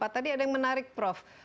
tadi ada yang menarik prof